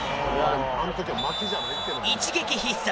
一撃必殺。